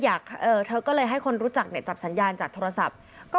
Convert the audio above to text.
ว่าพ่อยังอยู่ก็ตอนนี้ไม่มั่นใจเท่าไหร่ค่ะ